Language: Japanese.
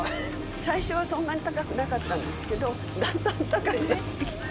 最初はそんなに高くなかったんですけどだんだん高くなってきて。